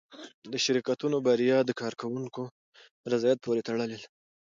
د شرکتونو بریا د کارکوونکو رضایت پورې تړلې ده.